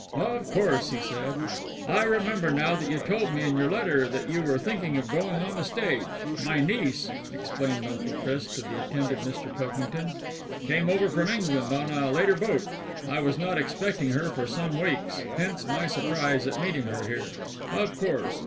"Of course," he said. "I remember now that you told me in your letter that you were thinking of going on the stage. My niece," explained Uncle Chris to the attentive Mr. Pilkington, "came over from England on a later boat. I was not expecting her for some weeks. Hence my surprise at meeting her here. Of course.